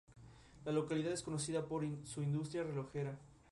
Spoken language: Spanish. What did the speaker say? A dicho corredor se le conoce como el "rey de las montañas".